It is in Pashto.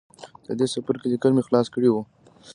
د دې څپرکي ليکل مې خلاص کړي وو.